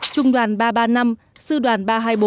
trung đoàn ba trăm ba mươi năm sư đoàn ba trăm hai mươi bốn